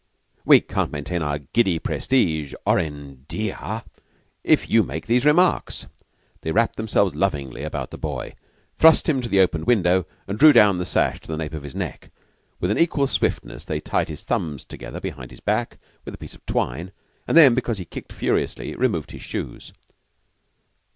"We can't maintain our giddy prestige, Orrin, de ah, if you make these remarks." They wrapped themselves lovingly about the boy, thrust him to the opened window, and drew down the sash to the nape of his neck. With an equal swiftness they tied his thumbs together behind his back with a piece of twine, and then, because he kicked furiously, removed his shoes.